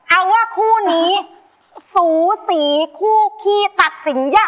เอาว่าคู่นี้สูสีคู่ขี้ตัดสัญญา